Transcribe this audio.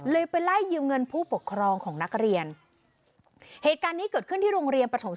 เลยไปไล่ยืมเงินผู้ปกครองของนักเรียน